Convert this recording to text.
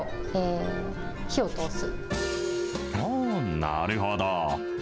なるほど。